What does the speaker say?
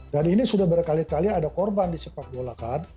dan ini sudah berkali kali ada korban di sepak bolakan